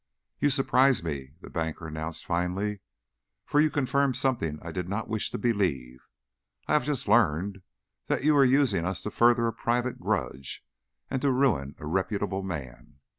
"You surprise me," the banker announced, finally, "for you confirm something I did not wish to believe. I have just learned that you are using us to further a private grudge and to ruin a reputable man.